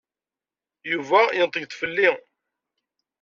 Yuba yenṭeg-d fell-i.